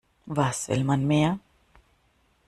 Was will man mehr?